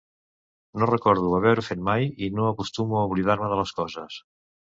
No recordo haver-ho fet mai i no acostumo a oblidar-me de les coses.